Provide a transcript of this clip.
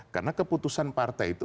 karena keputusan partai itu